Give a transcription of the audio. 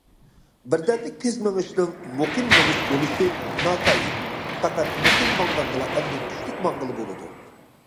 بىردەملىك تېز مېڭىشنىڭ مۇقىم مېڭىش بولۇشى ناتايىن، پەقەت مۇقىم ماڭغاندىلا ئاندىن كۈچلۈك ماڭغىلى بولىدۇ.